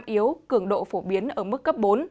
gió yếu cường độ phổ biến ở mức cấp bốn